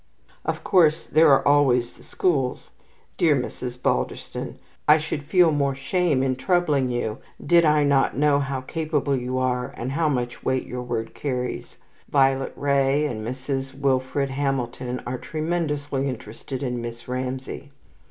Of course there are always the schools. Dear Mrs. Balderston, I should feel more shame in troubling you, did I not know how capable you are, and how much weight your word carries. Violet Wray and Mrs. Wilfred Hamilton are tremendously interested in Miss Ramsay.